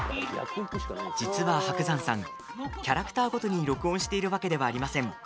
実は、伯山さんキャラクターごとに録音しているわけではありません。